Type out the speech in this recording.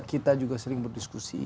kita juga sering berdiskusi